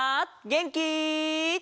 げんき？